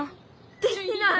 できない。